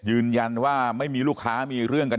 ยืนยันว่าไม่มีลูกค้ามีเรื่องกัน